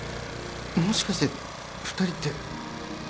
もしかして２人って。